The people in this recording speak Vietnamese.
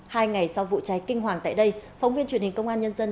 hai ngày sau vụ cháy kinh hoàng tại đây phóng viên truyền hình công an nhân dân